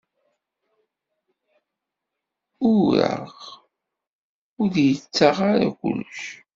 Ureɣ ur d-yettaɣ ara kullec.